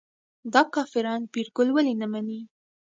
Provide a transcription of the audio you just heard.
دا کافران پیرګل ولې نه مني.